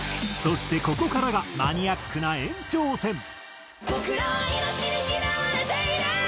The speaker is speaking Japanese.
そしてここからがマニアックな延長戦。